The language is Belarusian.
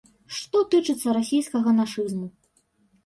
Што тычыцца расійскага нашызму.